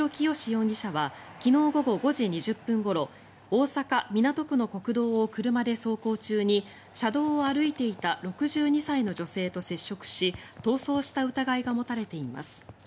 容疑者は昨日午後５時２０分ごろ大阪・港区の国道を車で走行中に車道を歩いていた６２歳の女性と接触し逃走した疑いが持たれています。